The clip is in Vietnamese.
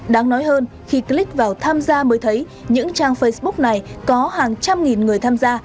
đáng nói hơn khi click vào tham gia mới thấy những trang facebook này có hàng trăm nghìn người tham gia